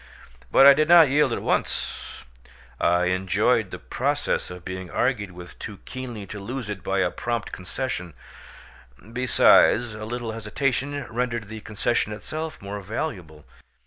But I did not yield at once; I enjoyed the process of being argued with too keenly to lose it by a prompt concession; besides, a little hesitation rendered the concession itself more valuable.